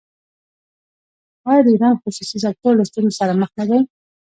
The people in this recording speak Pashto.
آیا د ایران خصوصي سکتور له ستونزو سره مخ نه دی؟